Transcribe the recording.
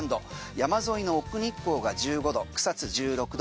山沿いの奥日光が１５度、草津１６度